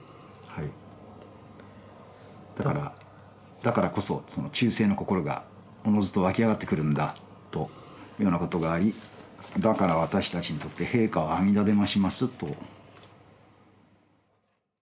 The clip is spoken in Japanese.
だからこそ「忠誠」の心がおのずと湧き上がってくるんだというようなことがあり「だから私たちに取って陛下は『阿彌陀』でまします」と。